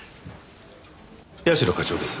社課長です。